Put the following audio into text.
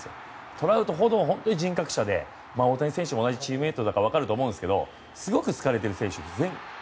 トラウトは人格者で大谷選手も同じチームメートだから分かると思うんですけどみんなからすごく好かれてるんです。